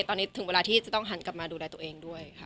ตอนนี้ถึงเวลาที่จะต้องหันกลับมาดูแลตัวเองด้วยค่ะ